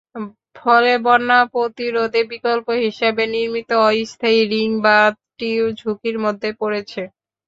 ফলে বন্যা প্রতিরোধে বিকল্প হিসেবে নির্মিত অস্থায়ী রিং বাঁধটি ঝুঁকির মধ্যে পড়েছে।